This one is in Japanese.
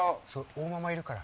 大ママいるから。